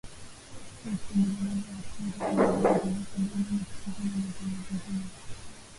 huku wakikabiliana na atahri zinazoongezeka duniani kutokana na uvamizi huo